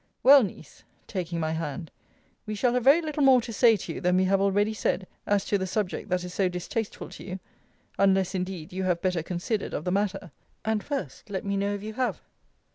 Well, Niece, taking my hand, we shall have very little more to say to you than we have already said, as to the subject that is so distasteful to you unless, indeed, you have better considered of the matter And first let me know if you have?